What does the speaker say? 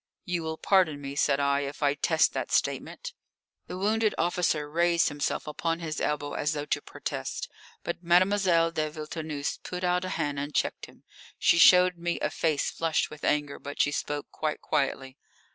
"You will pardon me," said I, "if I test that statement." The wounded officer raised himself upon his elbow as though to protest, but Mademoiselle de Villetaneuse put out a hand and checked him. She showed me a face flushed with anger, but she spoke quite quietly.